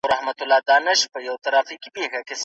د ګازرو جوس د سترګو د لید لپاره ښه دی.